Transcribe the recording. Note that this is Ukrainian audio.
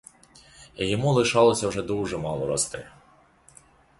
Йому лишалося вже дуже мало рости.